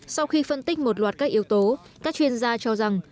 sau khi phân tích một loạt các yếu tố các chuyên gia cho rằng